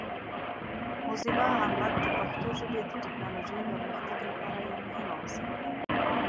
موزیلا عام غږ د پښتو ژبې د ټیکنالوجۍ پرمختګ لپاره یو مهم وسیله ده.